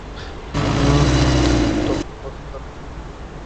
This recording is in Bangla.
ধলভূমগড় হল ঝাড়খণ্ডের পূর্ব সিংভূম জেলার একটি সমষ্টি উন্নয়ন ব্লক।